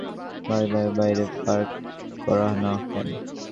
ভাই, বাইক কি বাইরে পার্ক করা হ্যাঁ কেন?